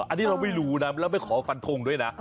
อันนี้เราไม่รู้นะแล้วไม่ขอฟันทงด้วยนะ